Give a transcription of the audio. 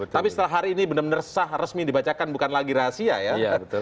tapi setelah hari ini benar benar sah resmi dibacakan bukan lagi rahasia ya